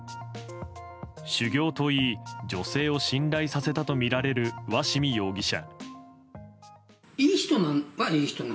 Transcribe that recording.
修行といい女性を信頼させたとみられる鷲見容疑者。